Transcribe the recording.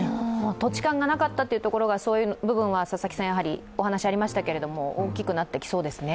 土地勘がなかったという部分はお話がありましたけれども、大きくなってきそうですね。